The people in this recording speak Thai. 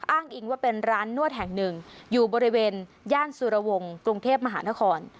อ้างอิงว่าเป็นร้านนวดแห่งหนึ่งอยู่บริเวณย่านสุรวงศ์กรุงเทพมหานคร